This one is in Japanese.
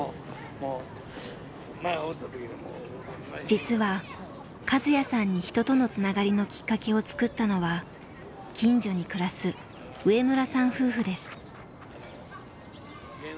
実はカズヤさんに人とのつながりのきっかけを作ったのは近所に暮らす上村さん夫婦です。